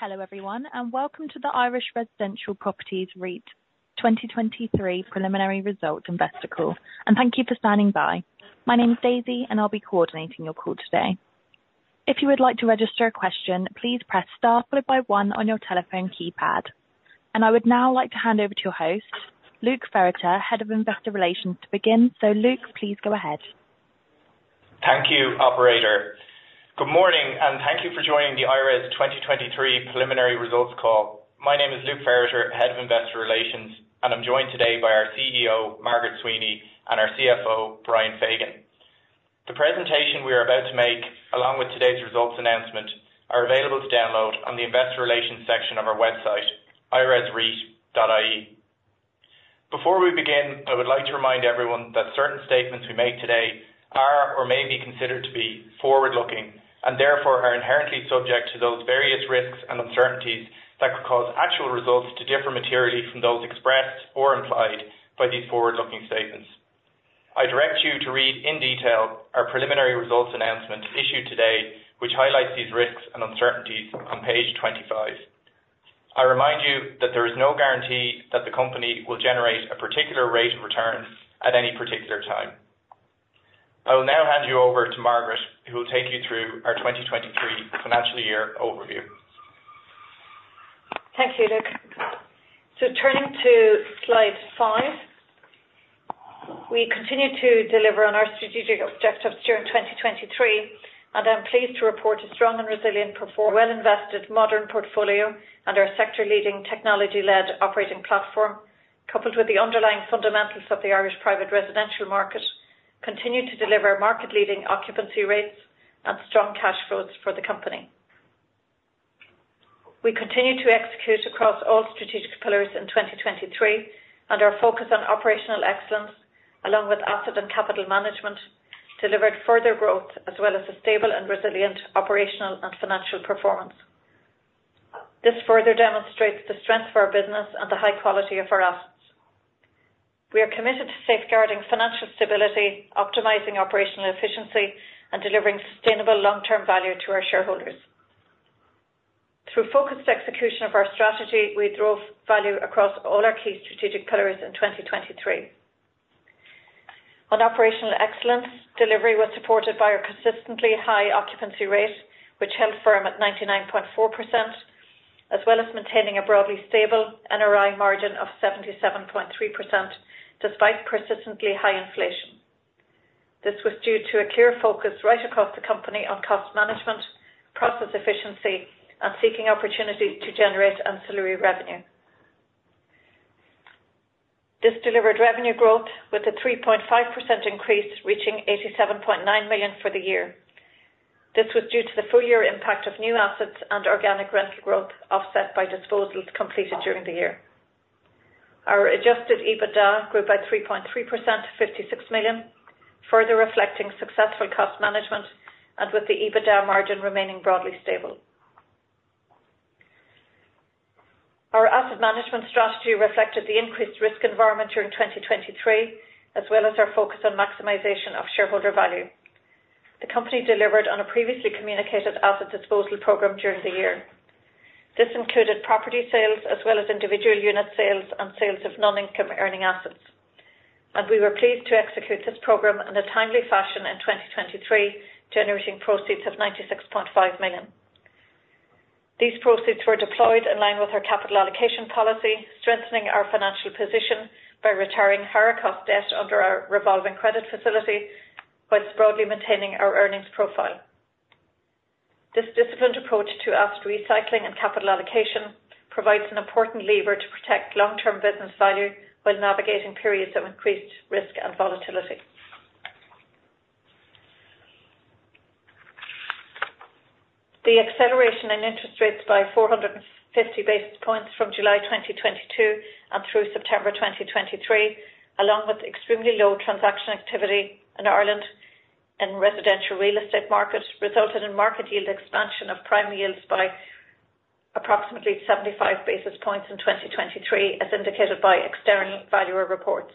Hello everyone, and welcome to the Irish Residential Properties REIT 2023 preliminary result investor call, and thank you for standing by. My name is Daisy, and I'll be coordinating your call today. If you would like to register a question, please press star followed by 1 on your telephone keypad. And I would now like to hand over to your host, Luke Ferriter, Head of Investor Relations. To begin, so Luke, please go ahead. Thank you, operator. Good morning, and thank you for joining the IRES 2023 preliminary results call. My name is Luke Ferriter, Head of Investor Relations, and I'm joined today by our CEO, Margaret Sweeney, and our CFO, Brian Fagan. The presentation we are about to make, along with today's results announcement, are available to download on the Investor Relations section of our website, iresreit.ie. Before we begin, I would like to remind everyone that certain statements we make today are or may be considered to be forward-looking, and therefore are inherently subject to those various risks and uncertainties that could cause actual results to differ materially from those expressed or implied by these forward-looking statements. I direct you to read in detail our preliminary results announcement issued today, which highlights these risks and uncertainties on page 25. I remind you that there is no guarantee that the company will generate a particular rate of return at any particular time. I will now hand you over to Margaret, who will take you through our 2023 financial year overview. Thank you, Luke. So turning to slide 5, we continue to deliver on our strategic objectives during 2023, and I'm pleased to report a strong and resilient performer. Well-invested, modern portfolio, and our sector-leading, technology-led operating platform, coupled with the underlying fundamentals of the Irish private residential market, continue to deliver market-leading occupancy rates and strong cash flows for the company. We continue to execute across all strategic pillars in 2023, and our focus on operational excellence, along with asset and capital management, delivered further growth as well as a stable and resilient operational and financial performance. This further demonstrates the strength of our business and the high quality of our assets. We are committed to safeguarding financial stability, optimizing operational efficiency, and delivering sustainable long-term value to our shareholders. Through focused execution of our strategy, we drove value across all our key strategic pillars in 2023. On operational excellence, delivery was supported by our consistently high occupancy rate, which held firm at 99.4%, as well as maintaining a broadly stable NRI margin of 77.3% despite persistently high inflation. This was due to a clear focus right across the company on cost management, process efficiency, and seeking opportunities to generate ancillary revenue. This delivered revenue growth with a 3.5% increase reaching 87.9 million for the year. This was due to the full-year impact of new assets and organic rental growth offset by disposals completed during the year. Our adjusted EBITDA grew by 3.3% to 56 million, further reflecting successful cost management and with the EBITDA margin remaining broadly stable. Our asset management strategy reflected the increased risk environment during 2023, as well as our focus on maximization of shareholder value. The company delivered on a previously communicated asset disposal program during the year. This included property sales as well as individual unit sales and sales of non-income-earning assets, and we were pleased to execute this program in a timely fashion in 2023, generating proceeds of 96.5 million. These proceeds were deployed in line with our capital allocation policy, strengthening our financial position by retiring higher-cost debt under our revolving credit facility while broadly maintaining our earnings profile. This disciplined approach to asset recycling and capital allocation provides an important lever to protect long-term business value while navigating periods of increased risk and volatility. The acceleration in interest rates by 450 basis points from July 2022 and through September 2023, along with extremely low transaction activity in Ireland in the residential real estate market, resulted in market yield expansion of prime yields by approximately 75 basis points in 2023, as indicated by external valuer reports.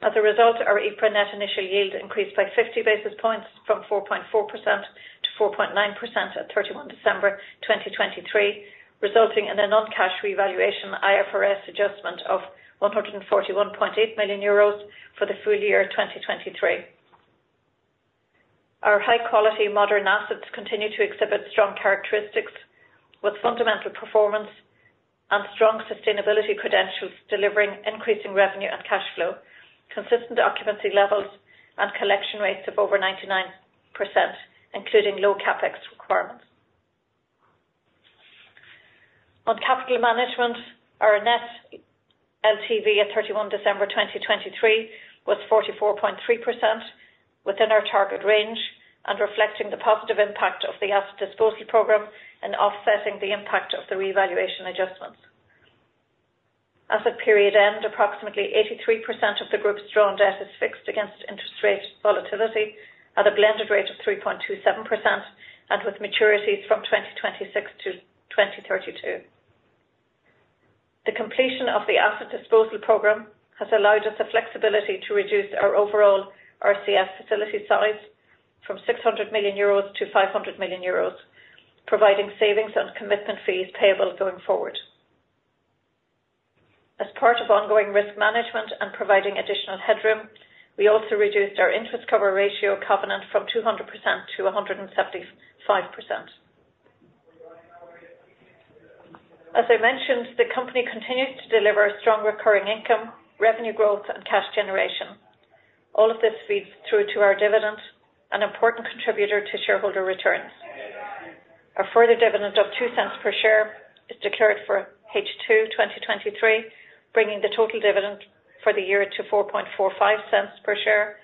As a result, our EPRA net initial yield increased by 50 basis points from 4.4% to 4.9% at 31 December 2023, resulting in a non-cash revaluation IFRS adjustment of 141.8 million euros for the full year 2023. Our high-quality modern assets continue to exhibit strong characteristics with fundamental performance and strong sustainability credentials, delivering increasing revenue and cash flow, consistent occupancy levels, and collection rates of over 99%, including low CapEx requirements. On capital management, our net LTV at 31 December 2023 was 44.3%, within our target range and reflecting the positive impact of the asset disposal program and offsetting the impact of the revaluation adjustments. At period end, approximately 83% of the group's drawn debt is fixed against interest rate volatility at a blended rate of 3.27% and with maturities from 2026 to 2032. The completion of the asset disposal program has allowed us the flexibility to reduce our overall RCF facility size from 600 million euros to 500 million euros, providing savings on commitment fees payable going forward. As part of ongoing risk management and providing additional headroom, we also reduced our interest cover ratio covenant from 200% to 175%. As I mentioned, the company continues to deliver strong recurring income, revenue growth, and cash generation. All of this feeds through to our dividend, an important contributor to shareholder returns. A further dividend of 0.02 per share is declared for H2 2023, bringing the total dividend for the year to 0.45 per share,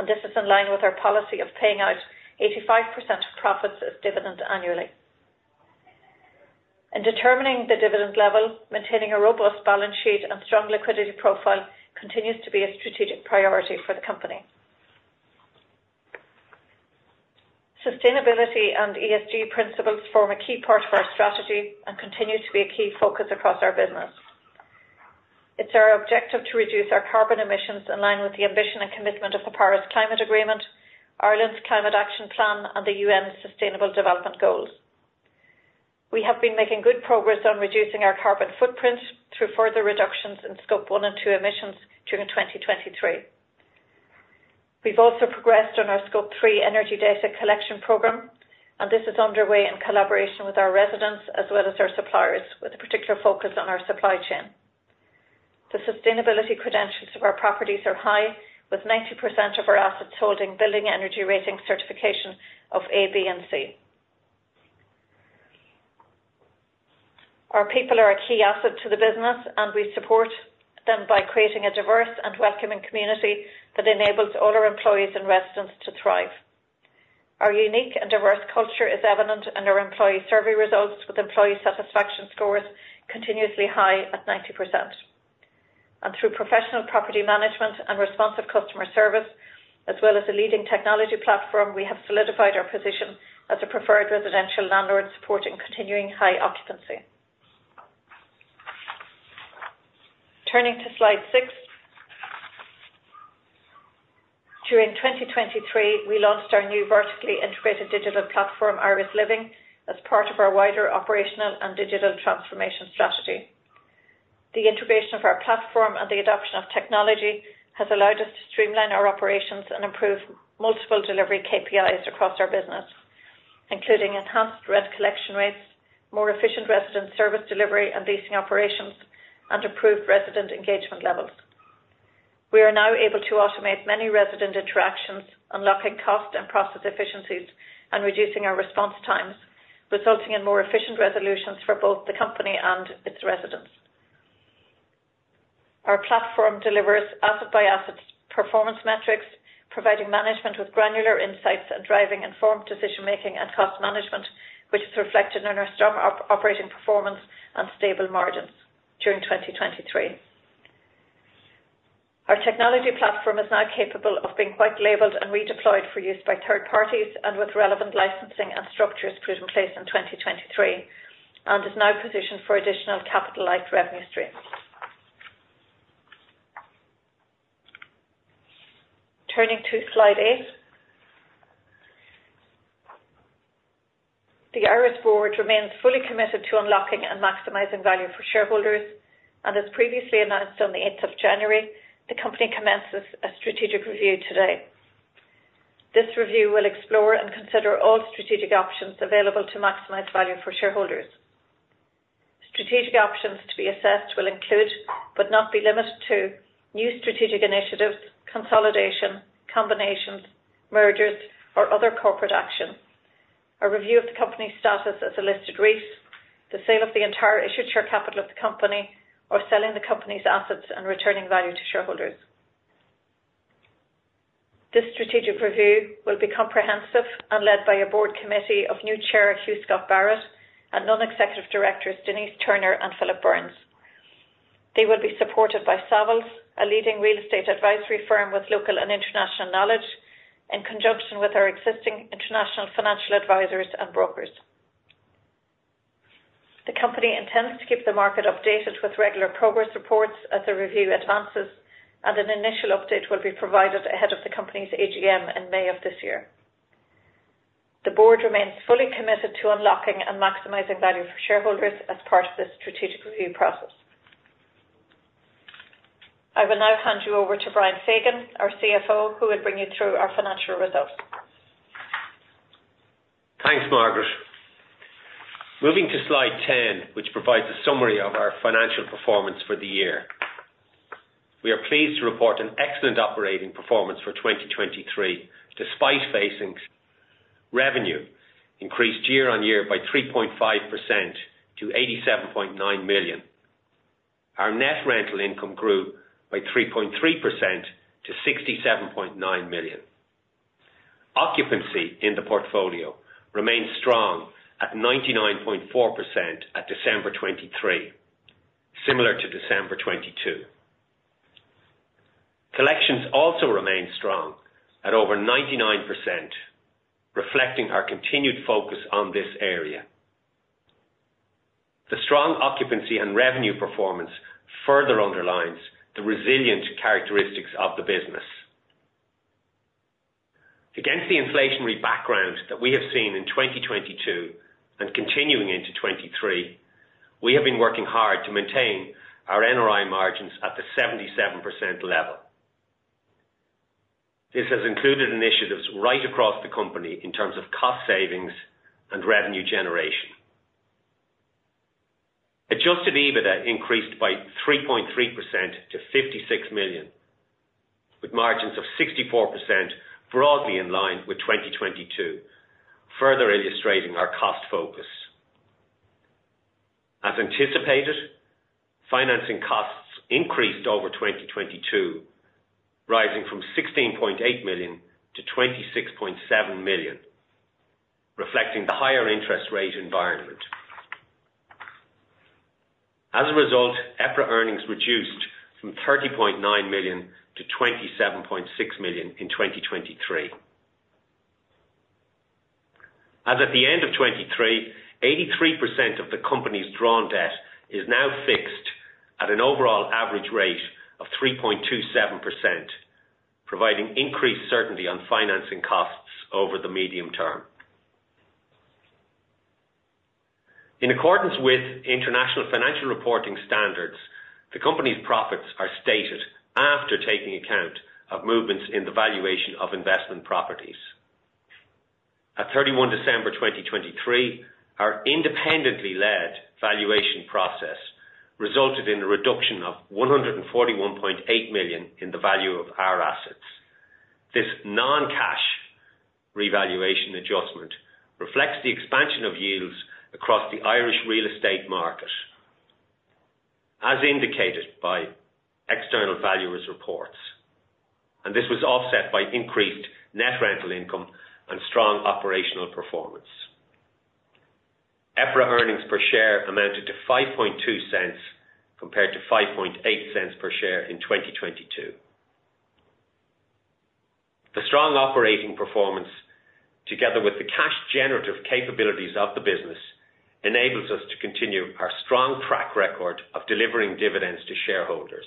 and this is in line with our policy of paying out 85% of profits as dividend annually. In determining the dividend level, maintaining a robust balance sheet and strong liquidity profile continues to be a strategic priority for the company. Sustainability and ESG principles form a key part of our strategy and continue to be a key focus across our business. It's our objective to reduce our carbon emissions in line with the ambition and commitment of the Paris Climate Agreement, Ireland's Climate Action Plan, and the UN Sustainable Development Goals. We have been making good progress on reducing our carbon footprint through further reductions in Scope 1 and 2 emissions during 2023. We've also progressed on our Scope 3 energy data collection program, and this is underway in collaboration with our residents as well as our suppliers, with a particular focus on our supply chain. The sustainability credentials of our properties are high, with 90% of our assets holding Building Energy Rating certification of A, B, and C. Our people are a key asset to the business, and we support them by creating a diverse and welcoming community that enables all our employees and residents to thrive. Our unique and diverse culture is evident in our employee survey results, with employee satisfaction scores continuously high at 90%. Through professional property management and responsive customer service, as well as a leading technology platform, we have solidified our position as a preferred residential landlord supporting continuing high occupancy. Turning to slide 6, during 2023, we launched our new vertically integrated digital platform, I-RES Living, as part of our wider operational and digital transformation strategy. The integration of our platform and the adoption of technology has allowed us to streamline our operations and improve multiple delivery KPIs across our business, including enhanced rent collection rates, more efficient resident service delivery and leasing operations, and improved resident engagement levels. We are now able to automate many resident interactions, unlocking cost and process efficiencies and reducing our response times, resulting in more efficient resolutions for both the company and its residents. Our platform delivers asset-by-asset performance metrics, providing management with granular insights and driving informed decision-making and cost management, which is reflected in our strong operating performance and stable margins during 2023. Our technology platform is now capable of being white-labeled and redeployed for use by third parties and with relevant licensing and structures put in place in 2023, and is now positioned for additional capital-light revenue streams. Turning to slide 8, the IRES Board remains fully committed to unlocking and maximizing value for shareholders, and as previously announced on the 8th of January, the company commences a strategic review today. This review will explore and consider all strategic options available to maximize value for shareholders. Strategic options to be assessed will include but not be limited to new strategic initiatives, consolidation, combinations, mergers, or other corporate action, a review of the company's status as a listed REIT, the sale of the entire issued share capital of the company, or selling the company's assets and returning value to shareholders. This strategic review will be comprehensive and led by a board committee of new Chair, Hugh Scott-Barrett, and non-executive directors, Denise Turner and Philip Burns. They will be supported by Savills, a leading real estate advisory firm with local and international knowledge, in conjunction with our existing international financial advisors and brokers. The company intends to keep the market updated with regular progress reports as the review advances, and an initial update will be provided ahead of the company's AGM in May of this year. The board remains fully committed to unlocking and maximizing value for shareholders as part of this strategic review process. I will now hand you over to Brian Fagan, our CFO, who will bring you through our financial results. Thanks, Margaret. Moving to slide 10, which provides a summary of our financial performance for the year. We are pleased to report an excellent operating performance for 2023, despite facing revenue increased year on year by 3.5% to 87.9 million. Our net rental income grew by 3.3% to 67.9 million. Occupancy in the portfolio remains strong at 99.4% at December 2023, similar to December 2022. Collections also remain strong at over 99%, reflecting our continued focus on this area. The strong occupancy and revenue performance further underlines the resilient characteristics of the business. Against the inflationary background that we have seen in 2022 and continuing into 2023, we have been working hard to maintain our NRI margins at the 77% level. This has included initiatives right across the company in terms of cost savings and revenue generation. Adjusted EBITDA increased by 3.3% to 56 million, with margins of 64% broadly in line with 2022, further illustrating our cost focus. As anticipated, financing costs increased over 2022, rising from 16.8 million to 26.7 million, reflecting the higher interest rate environment. As a result, EPRA earnings reduced from 30.9 million to 27.6 million in 2023. As at the end of 2023, 83% of the company's drawn debt is now fixed at an overall average rate of 3.27%, providing increased certainty on financing costs over the medium term. In accordance with international financial reporting standards, the company's profits are stated after taking account of movements in the valuation of investment properties. At 31 December 2023, our independently led valuation process resulted in a reduction of 141.8 million in the value of our assets. This non-cash revaluation adjustment reflects the expansion of yields across the Irish real estate market, as indicated by external valuer's reports, and this was offset by increased net rental income and strong operational performance. EPRA earnings per share amounted to 0.05 compared to 0.05 per share in 2022. The strong operating performance, together with the cash-generative capabilities of the business, enables us to continue our strong track record of delivering dividends to shareholders.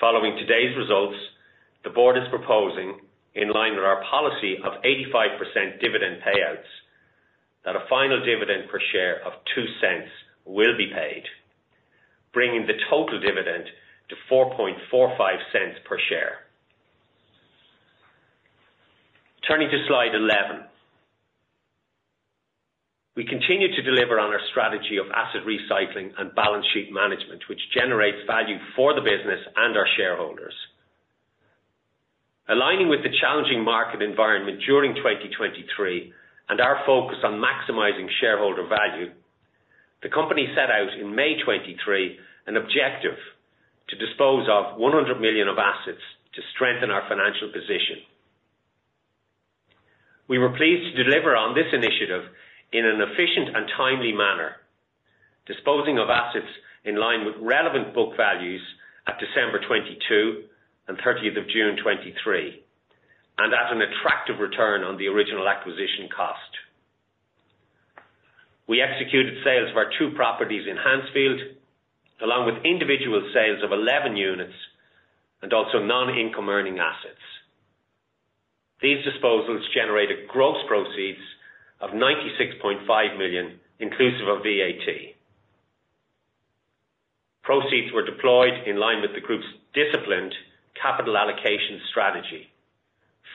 Following today's results, the board is proposing, in line with our policy of 85% dividend payouts, that a final dividend per share of 0.02 will be paid, bringing the total dividend to 0.45 per share. Turning to slide 11, we continue to deliver on our strategy of asset recycling and balance sheet management, which generates value for the business and our shareholders. Aligning with the challenging market environment during 2023 and our focus on maximizing shareholder value, the company set out in May 2023 an objective to dispose of 100 million of assets to strengthen our financial position. We were pleased to deliver on this initiative in an efficient and timely manner, disposing of assets in line with relevant book values at December 2022 and 30 June 2023, and at an attractive return on the original acquisition cost. We executed sales of our two properties in Hansfield, along with individual sales of 11 units and also non-income earning assets. These disposals generated gross proceeds of 96.5 million, inclusive of VAT. Proceeds were deployed in line with the group's disciplined capital allocation strategy,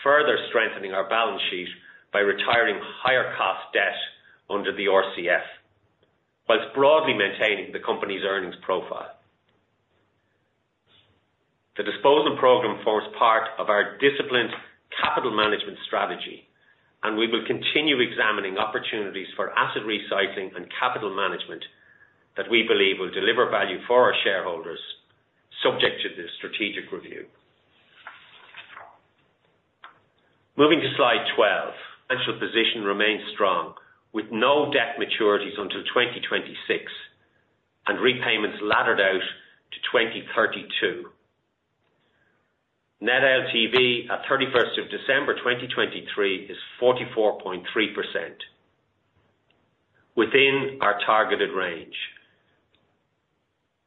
further strengthening our balance sheet by retiring higher-cost debt under the RCF, while broadly maintaining the company's earnings profile. The disposal program forms part of our disciplined capital management strategy, and we will continue examining opportunities for asset recycling and capital management that we believe will deliver value for our shareholders, subject to the strategic review. Moving to slide 12. Financial position remains strong, with no debt maturities until 2026 and repayments laddered out to 2032. Net LTV at 31st of December 2023 is 44.3%, within our targeted range.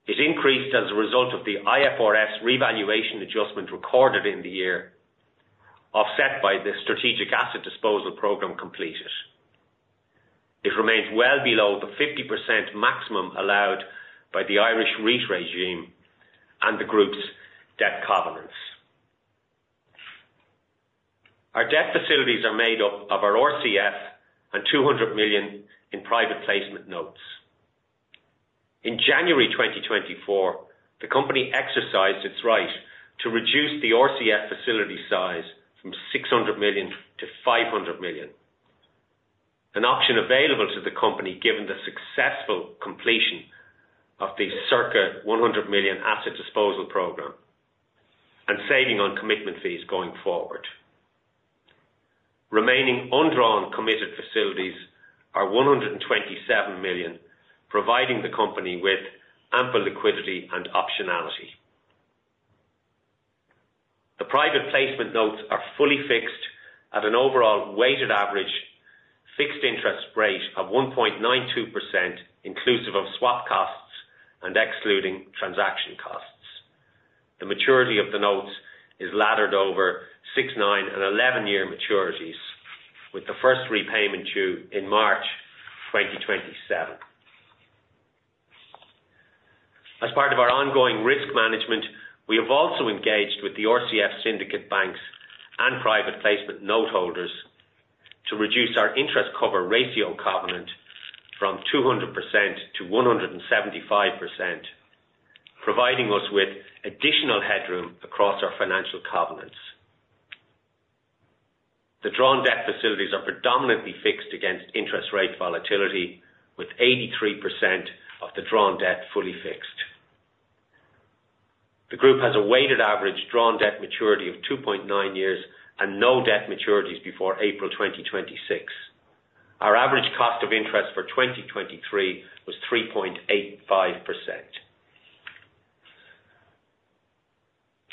It increased as a result of the IFRS revaluation adjustment recorded in the year, offset by the strategic asset disposal program completed. It remains well below the 50% maximum allowed by the Irish REIT regime and the group's debt covenants. Our debt facilities are made up of our RCF and 200 million in private placement notes. In January 2024, the company exercised its right to reduce the RCF facility size from 600 million to 500 million, an option available to the company given the successful completion of the circa 100 million asset disposal program and saving on commitment fees going forward. Remaining undrawn committed facilities are 127 million, providing the company with ample liquidity and optionality. The private placement notes are fully fixed at an overall weighted average fixed interest rate of 1.92%, inclusive of swap costs and excluding transaction costs. The maturity of the notes is laddered over six, nine, and 11-year maturities, with the first repayment due in March 2027. As part of our ongoing risk management, we have also engaged with the RCF syndicate banks and private placement noteholders to reduce our interest cover ratio covenant from 200% to 175%, providing us with additional headroom across our financial covenants. The drawn debt facilities are predominantly fixed against interest rate volatility, with 83% of the drawn debt fully fixed. The group has a weighted average drawn debt maturity of 2.9 years and no debt maturities before April 2026. Our average cost of interest for 2023 was 3.85%.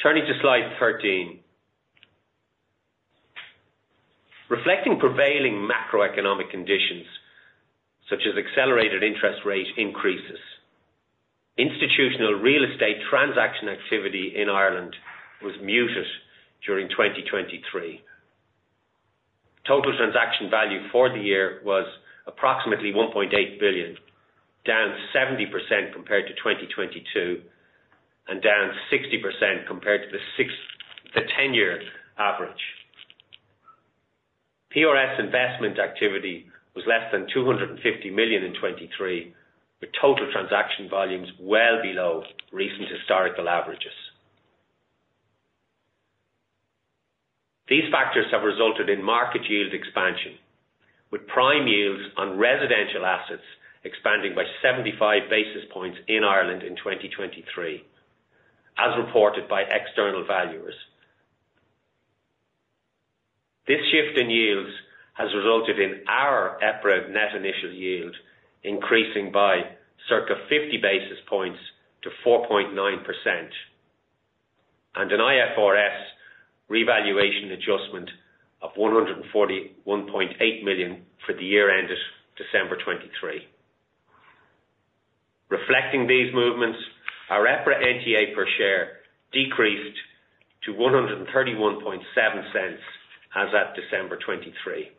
Turning to slide 13, reflecting prevailing macroeconomic conditions such as accelerated interest rate increases, institutional real estate transaction activity in Ireland was muted during 2023. Total transaction value for the year was approximately 1.8 billion, down 70% compared to 2022 and down 60% compared to the 10-year average. PRS investment activity was less than 250 million in 2023, with total transaction volumes well below recent historical averages. These factors have resulted in market yield expansion, with prime yields on residential assets expanding by 75 basis points in Ireland in 2023, as reported by external valuers. This shift in yields has resulted in our EPRA Net Initial Yield increasing by circa 50 basis points to 4.9% and an IFRS revaluation adjustment of 141.8 million for the year ended December 2023. Reflecting these movements, our EPRA NTA per share decreased to 1.317 as of December 2023.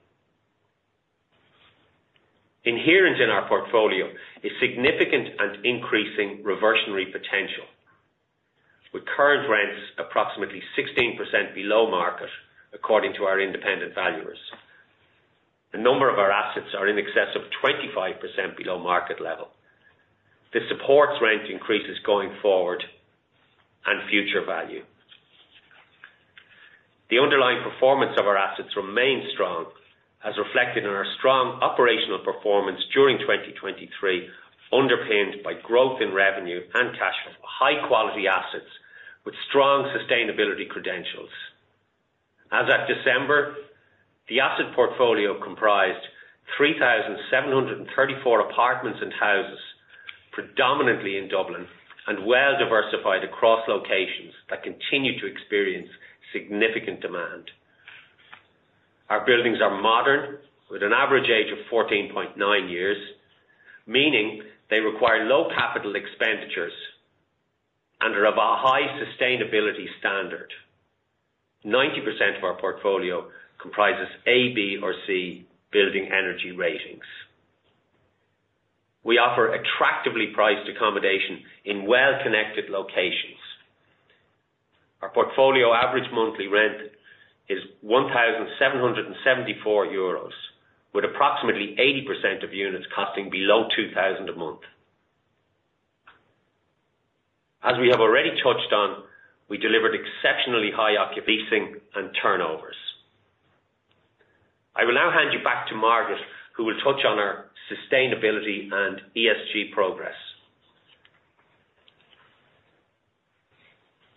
Inherent in our portfolio is significant and increasing reversionary potential, with current rents approximately 16% below market according to our independent valuers. The number of our assets are in excess of 25% below market level. This supports rent increases going forward and future value. The underlying performance of our assets remains strong, as reflected in our strong operational performance during 2023, underpinned by growth in revenue and cash flow. High-quality assets with strong sustainability credentials. As of December, the asset portfolio comprised 3,734 apartments and houses, predominantly in Dublin and well-diversified across locations that continue to experience significant demand. Our buildings are modern, with an average age of 14.9 years, meaning they require low capital expenditures and are of a high sustainability standard. 90% of our portfolio comprises A, B, or C Building Energy Ratings. We offer attractively priced accommodation in well-connected locations. Our portfolio average monthly rent is 1,774 euros, with approximately 80% of units costing below 2,000 a month. As we have already touched on, we delivered exceptionally high occupancy leasing and turnovers. I will now hand you back to Margaret, who will touch on our sustainability and ESG progress.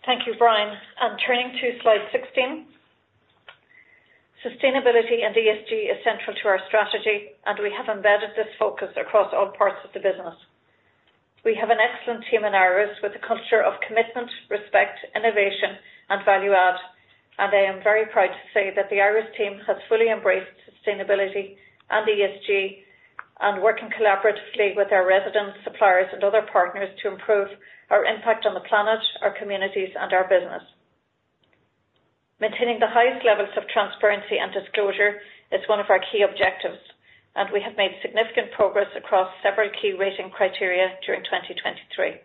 Thank you, Brian. Turning to slide 16, sustainability and ESG are central to our strategy, and we have embedded this focus across all parts of the business. We have an excellent team in Ireland with a culture of commitment, respect, innovation, and value add, and I am very proud to say that the Irish team has fully embraced sustainability and ESG and working collaboratively with our residents, suppliers, and other partners to improve our impact on the planet, our communities, and our business. Maintaining the highest levels of transparency and disclosure is one of our key objectives, and we have made significant progress across several key rating criteria during 2023.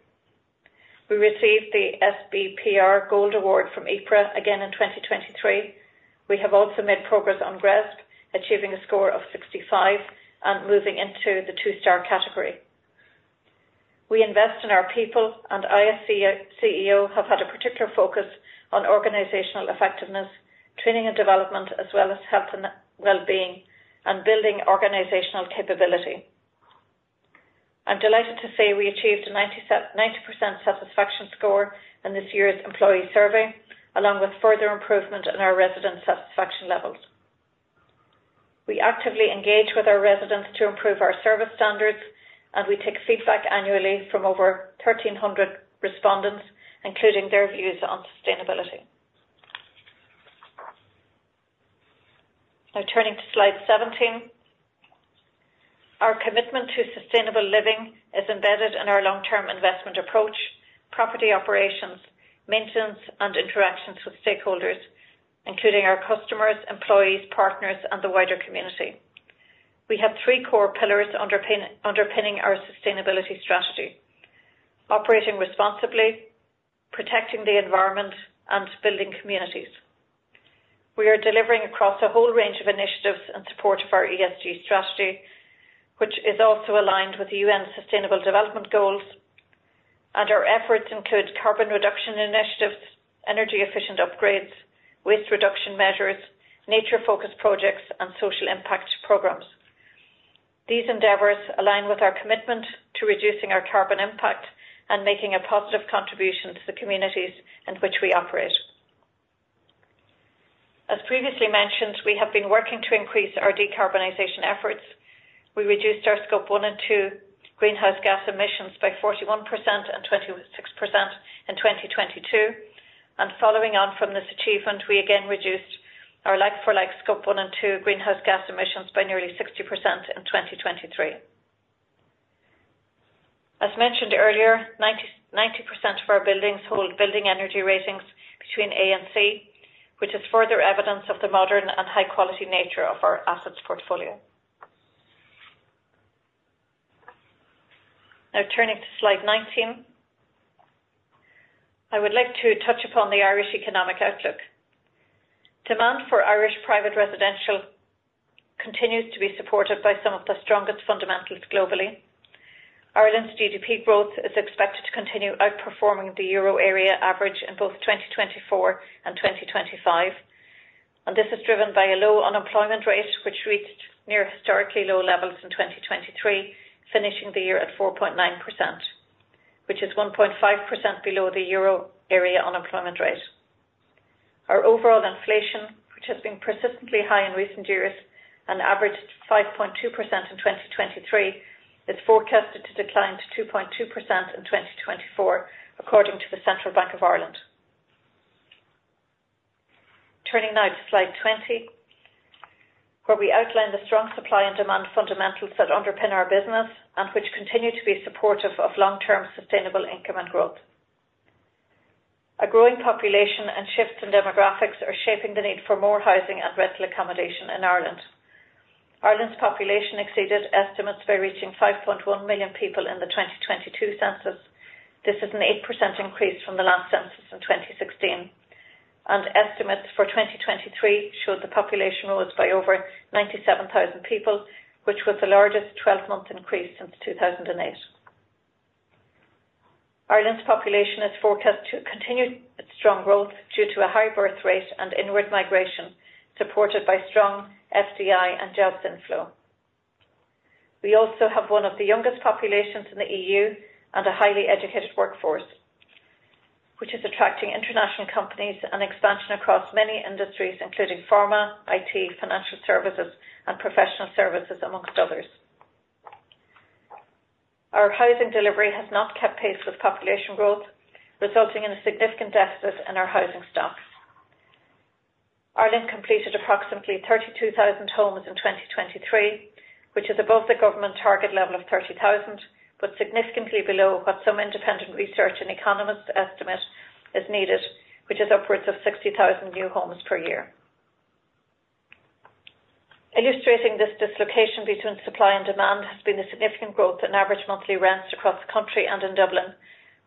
We received the sBPR Gold Award from EPRA again in 2023. We have also made progress on GRESB, achieving a score of 65 and moving into the two-star category. We invest in our people, and IRES CEO have had a particular focus on organizational effectiveness, training and development, as well as health and well-being and building organizational capability. I'm delighted to say we achieved a 90% satisfaction score in this year's employee survey, along with further improvement in our resident satisfaction levels. We actively engage with our residents to improve our service standards, and we take feedback annually from over 1,300 respondents, including their views on sustainability. Now, turning to slide 17, our commitment to sustainable living is embedded in our long-term investment approach, property operations, maintenance, and interactions with stakeholders, including our customers, employees, partners, and the wider community. We have three core pillars underpinning our sustainability strategy: operating responsibly, protecting the environment, and building communities. We are delivering across a whole range of initiatives in support of our ESG strategy, which is also aligned with the UN Sustainable Development Goals, and our efforts include carbon reduction initiatives, energy-efficient upgrades, waste reduction measures, nature-focused projects, and social impact programs. These endeavours align with our commitment to reducing our carbon impact and making a positive contribution to the communities in which we operate. As previously mentioned, we have been working to increase our decarbonization efforts. We reduced our Scope 1 and 2 greenhouse gas emissions by 41% and 26% in 2022, and following on from this achievement, we again reduced our like-for-like Scope 1 and 2 greenhouse gas emissions by nearly 60% in 2023. As mentioned earlier, 90% of our buildings hold Building Energy Ratings between A and C, which is further evidence of the modern and high-quality nature of our assets portfolio. Now, turning to slide 19, I would like to touch upon the Irish economic outlook. Demand for Irish private residential continues to be supported by some of the strongest fundamentals globally. Ireland's GDP growth is expected to continue outperforming the Euro area average in both 2024 and 2025, and this is driven by a low unemployment rate, which reached near-historically low levels in 2023, finishing the year at 4.9%, which is 1.5% below the Euro area unemployment rate. Our overall inflation, which has been persistently high in recent years and averaged 5.2% in 2023, is forecasted to decline to 2.2% in 2024, according to the Central Bank of Ireland. Turning now to slide 20, where we outline the strong supply and demand fundamentals that underpin our business and which continue to be supportive of long-term sustainable income and growth. A growing population and shifts in demographics are shaping the need for more housing and rental accommodation in Ireland. Ireland's population exceeded estimates by reaching 5.1 million people in the 2022 census. This is an 8% increase from the last census in 2016, and estimates for 2023 showed the population rose by over 97,000 people, which was the largest 12-month increase since 2008. Ireland's population is forecast to continue its strong growth due to a high birth rate and inward migration supported by strong FDI and jobs inflow. We also have one of the youngest populations in the EU and a highly educated workforce, which is attracting international companies and expansion across many industries, including pharma, IT, financial services, and professional services, amongst others. Our housing delivery has not kept pace with population growth, resulting in a significant deficit in our housing stock. Ireland completed approximately 32,000 homes in 2023, which is above the government target level of 30,000 but significantly below what some independent research and economists estimate is needed, which is upwards of 60,000 new homes per year. Illustrating this dislocation between supply and demand has been the significant growth in average monthly rents across the country and in Dublin,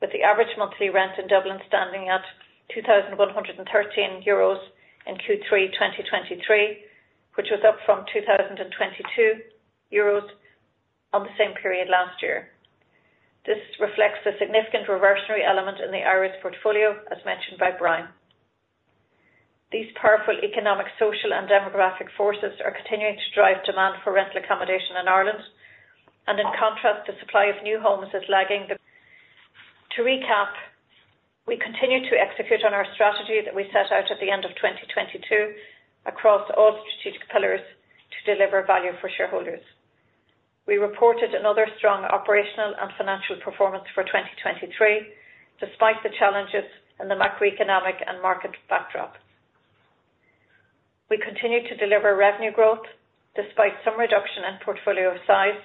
with the average monthly rent in Dublin standing at EUR 2,113 in Q3 2023, which was up from EUR 2,022 on the same period last year. This reflects a significant reversionary element in the Irish portfolio, as mentioned by Brian. These powerful economic, social, and demographic forces are continuing to drive demand for rental accommodation in Ireland, and in contrast, the supply of new homes is lagging demand. To recap, we continue to execute on our strategy that we set out at the end of 2022 across all strategic pillars to deliver value for shareholders. We reported another strong operational and financial performance for 2023, despite the challenges in the macroeconomic and market backdrop. We continue to deliver revenue growth despite some reduction in portfolio size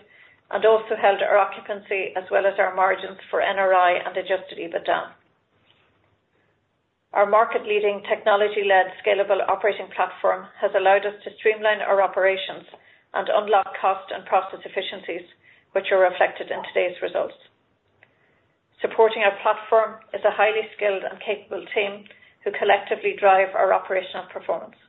and also held our occupancy as well as our margins for NRI and Adjusted EBITDA. Our market-leading, technology-led, scalable operating platform has allowed us to streamline our operations and unlock cost and process efficiencies, which are reflected in today's results. Supporting our platform is a highly skilled and capable team who collectively drive our operational performance.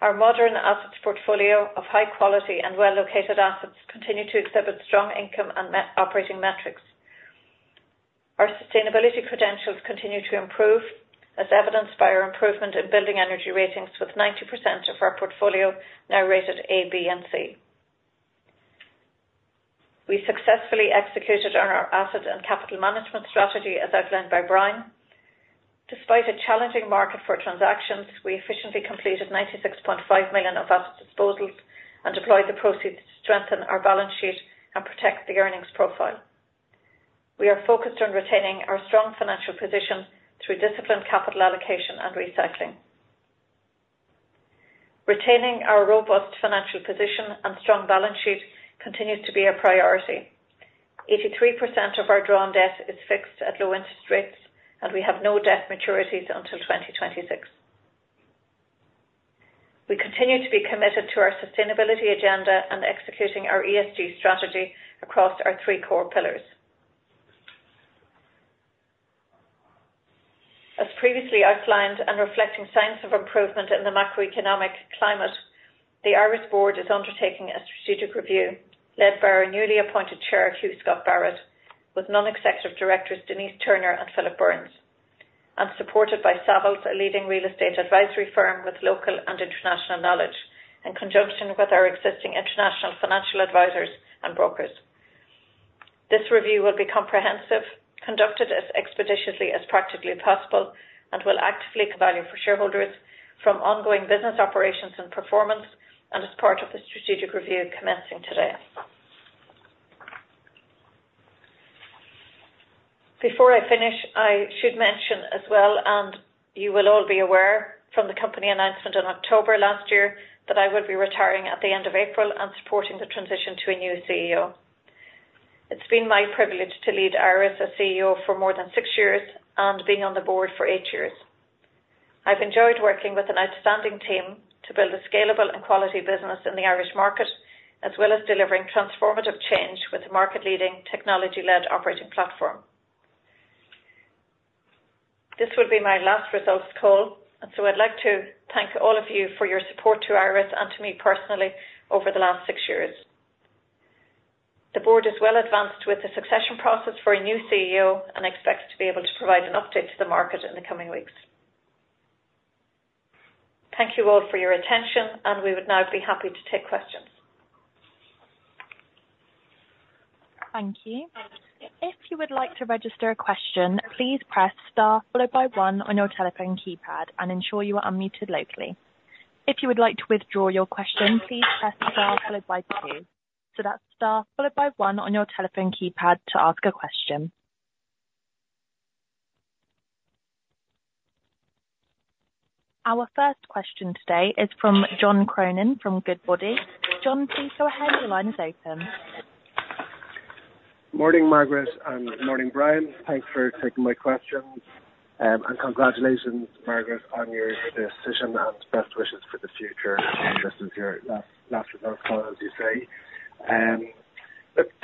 Our modern assets portfolio of high-quality and well-located assets continues to exhibit strong income and operating metrics. Our sustainability credentials continue to improve, as evidenced by our improvement in building energy ratings, with 90% of our portfolio now rated A, B, and C. We successfully executed on our asset and capital management strategy, as outlined by Brian. Despite a challenging market for transactions, we efficiently completed 96.5 million of asset disposals and deployed the proceeds to strengthen our balance sheet and protect the earnings profile. We are focused on retaining our strong financial position through disciplined capital allocation and recycling. Retaining our robust financial position and strong balance sheet continues to be a priority. 83% of our drawn debt is fixed at low interest rates, and we have no debt maturities until 2026. We continue to be committed to our sustainability agenda and executing our ESG strategy across our three core pillars. As previously outlined and reflecting signs of improvement in the macroeconomic climate, the Irish Board is undertaking a strategic review led by our newly appointed chair, Hugh Scott-Barrett, with non-executive directors Denise Turner and Philip Burns, and supported by Savills, a leading real estate advisory firm with local and international knowledge, in conjunction with our existing international financial advisors and brokers. This review will be comprehensive, conducted as expeditiously as practically possible, and will actively value for shareholders from ongoing business operations and performance, and as part of the strategic review commencing today. Before I finish, I should mention as well, and you will all be aware from the company announcement in October last year, that I will be retiring at the end of April and supporting the transition to a new CEO. It's been my privilege to lead I-RES as CEO for more than six years and being on the board for eight years. I've enjoyed working with an outstanding team to build a scalable and quality business in the Irish market, as well as delivering transformative change with a market-leading, technology-led operating platform. This will be my last results call, and so I'd like to thank all of you for your support to I-RES and to me personally over the last six years. The board has well advanced with the succession process for a new CEO and expects to be able to provide an update to the market in the coming weeks. Thank you all for your attention, and we would now be happy to take questions. Thank you. If you would like to register a question, please press star followed by one on your telephone keypad and ensure you are unmuted locally. If you would like to withdraw your question, please press star followed by two. So that's star followed by one on your telephone keypad to ask a question. Our first question today is from John Cronin from Goodbody. John, please go ahead. Your line is open. Morning, Margaret, and morning, Brian. Thanks for taking my questions, and congratulations, Margaret, on your decision and best wishes for the future. This is your last results call, as you say.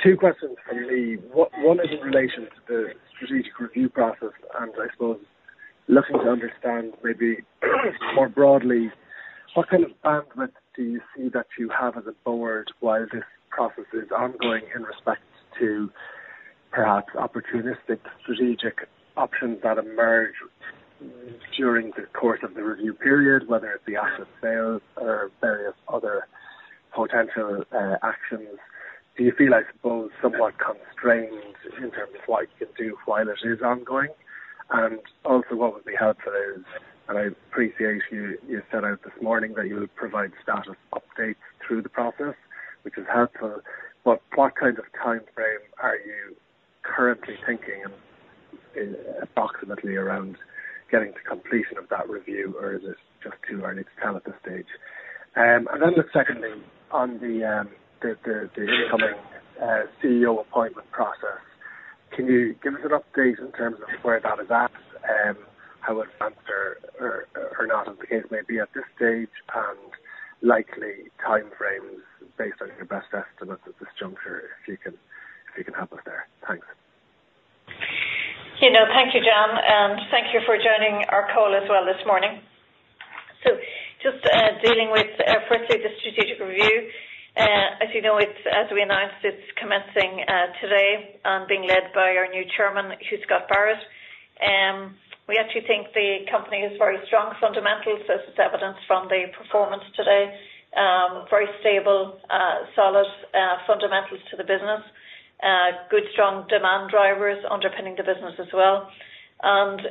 Two questions from me. What one is in relation to the strategic review process, and I suppose looking to understand maybe more broadly, what kind of bandwidth do you see that you have as a board while this process is ongoing in respect to perhaps opportunistic strategic options that emerge during the course of the review period, whether it be asset sales or various other potential actions? Do you feel, I suppose, somewhat constrained in terms of what you can do while it is ongoing? And also, what would be helpful is, and I appreciate you set out this morning that you will provide status updates through the process, which is helpful, but what kind of timeframe are you currently thinking approximately around getting to completion of that review, or is it just too early to tell at this stage? And then secondly, on the incoming CEO appointment process, can you give us an update in terms of where that is at, how advanced or not as the case may be at this stage, and likely timeframes based on your best estimates at this juncture if you can help us there? Thanks. You know, thank you, John, and thank you for joining our call as well this morning. So, dealing with firstly the strategic review. As you know, it's as we announced, it's commencing today and being led by our new chairman, Hugh Scott-Barrett. We actually think the company has very strong fundamentals, as is evidenced from the performance today, very stable, solid fundamentals to the business, good strong demand drivers underpinning the business as well. And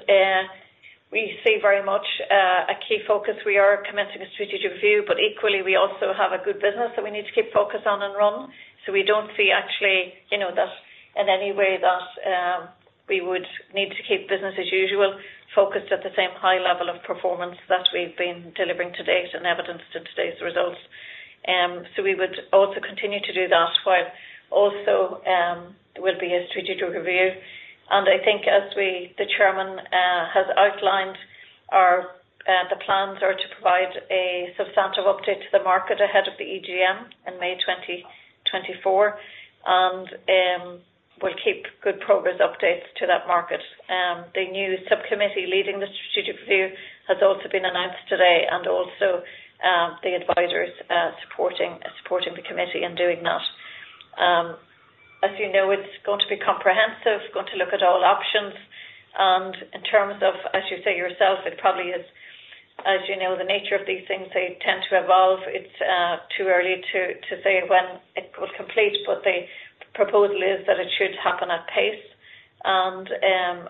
we see very much a key focus. We are commencing a strategic review, but equally, we also have a good business that we need to keep focus on and run. So we don't see actually, you know, that in any way that we would need to keep business as usual focused at the same high level of performance that we've been delivering to date and evidenced in today's results. So we would also continue to do that while also there will be a strategic review. I think as the Chairman has outlined, the plans are to provide a substantive update to the market ahead of the EGM in May 2024 and will keep good progress updates to that market. The new subcommittee leading the strategic review has also been announced today, and also the advisors supporting the committee in doing that. As you know, it's going to be comprehensive, going to look at all options. And in terms of, as you say yourself, it probably is, as you know, the nature of these things, they tend to evolve. It's too early to say when it will complete, but the proposal is that it should happen at pace. And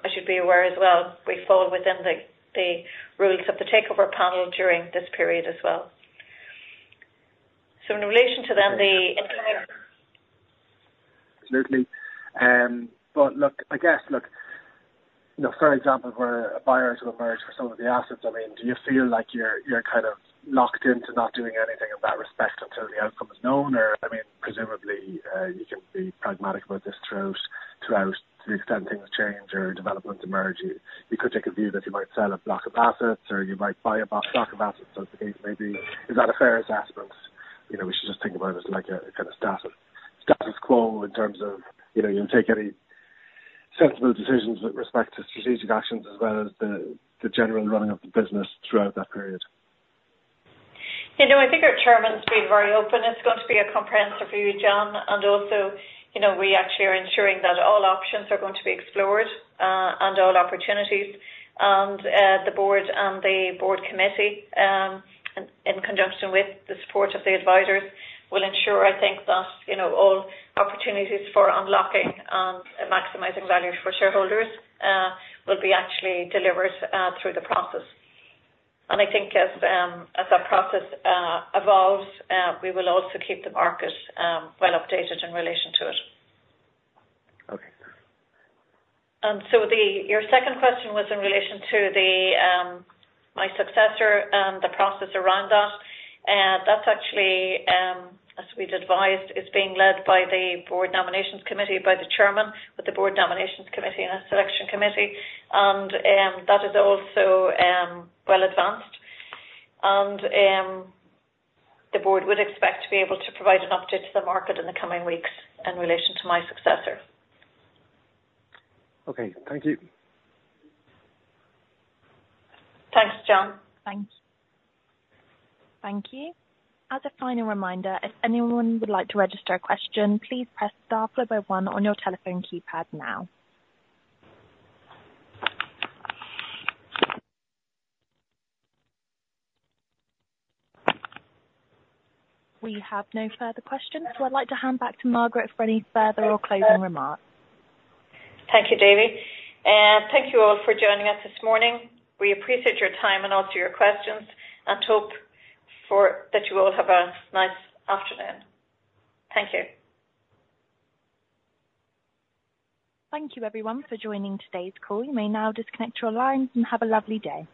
you should be aware as well, we fall within the rules of the Takeover Panel during this period as well. So in relation to then, the incoming. Absolutely. But look, I guess, look, you know, for example, where buyers will emerge for some of the assets, I mean, do you feel like you're kind of locked into not doing anything in that respect until the outcome is known, or I mean, presumably, you can be pragmatic about this throughout to the extent things change or developments emerge? You could take a view that you might sell a block of assets, or you might buy a block of assets. So, if the case may be, is that a fair assessment? You know, we should just think about it like a kind of status quo in terms of, you know, you'll take any sensible decisions with respect to strategic actions as well as the general running of the business throughout that period. You know, I think our chairman's been very open. It's going to be a comprehensive review, John. And also, you know, we actually are ensuring that all options are going to be explored, and all opportunities. And, the board and the board committee, in conjunction with the support of the advisors, will ensure, I think, that, you know, all opportunities for unlocking and maximizing value for shareholders, will be actually delivered, through the process. I think as that process evolves, we will also keep the market well updated in relation to it. Okay. So your second question was in relation to my successor and the process around that. That's actually, as we'd advised, is being led by the board nominations committee, by the chairman with the board nominations committee and a selection committee. That is also well advanced. The board would expect to be able to provide an update to the market in the coming weeks in relation to my successor. Okay. Thank you. Thanks, John. Thank you. Thank you. As a final reminder, if anyone would like to register a question, please press star followed by one on your telephone keypad now. We have no further questions, so I'd like to hand back to Margaret for any further or closing remarks. Thank you, David. Thank you all for joining us this morning. We appreciate your time and also your questions and hope for that you all have a nice afternoon. Thank you. Thank you, everyone, for joining today's call. You may now disconnect your lines and have a lovely day.